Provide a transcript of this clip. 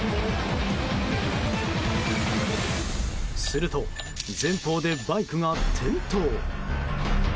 すると前方でバイクが転倒。